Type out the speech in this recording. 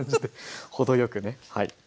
程よくね。